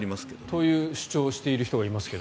という主張をしている人がいますが。